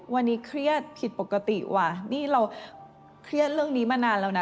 วันนี้เครียดผิดปกติว่ะนี่เราเครียดเรื่องนี้มานานแล้วนะ